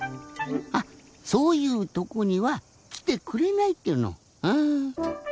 あっそういうとこにはきてくれないっていうのああ。